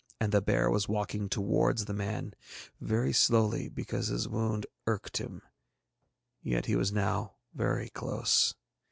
And the bear was walking towards the man, very slowly because his wound irked him yet he was now very close.